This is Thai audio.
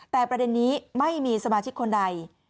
แต่ประเด็นนี้ไม่มีสมาชิกคนใด